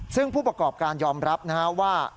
ซึ่งผู้ประกอบการยอมรับนะฮะว่า